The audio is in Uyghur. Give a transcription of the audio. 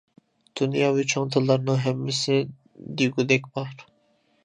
دۇنياۋى چوڭ تىللارنىڭ ھەممىسى دېگۈدەك بار.